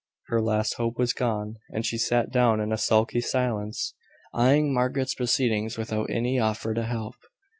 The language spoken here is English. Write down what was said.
Her last hope was gone; and she sat down in sulky silence, eyeing Margaret's proceedings without any offer to help.